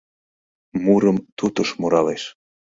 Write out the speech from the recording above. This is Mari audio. Мурым тутыш муралеш